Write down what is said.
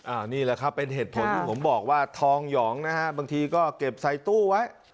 อันนี้แหละครับเป็นเหตุผลที่ผมบอกว่าทองหยองนะฮะบางทีก็เก็บใส่ตู้ไว้